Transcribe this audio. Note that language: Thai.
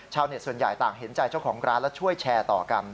ส่วนใหญ่ต่างเห็นใจเจ้าของร้านและช่วยแชร์ต่อกัน